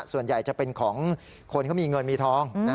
ส่วนใหญ่จะเป็นของคนเขามีเงินมีทอง